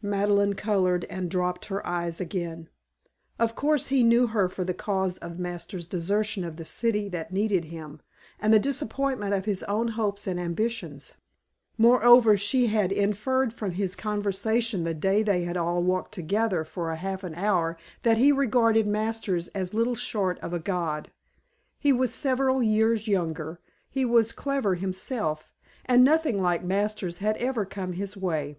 Madeleine colored and dropped her eyes again. Of course he knew her for the cause of Masters' desertion of the city that needed him, and the disappointment of his own hopes and ambitions. Moreover, she had inferred from his conversation the day they had all walked together for half an hour that he regarded Masters as little short of a god. He was several years younger, he was clever himself, and nothing like Masters had ever come his way.